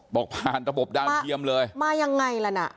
บอกผ่านระบบดาวเทียมเลยมายังไงล่ะน่ะ